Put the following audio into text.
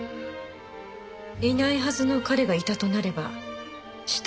いないはずの彼がいたとなれば死体遺棄は彼の仕業。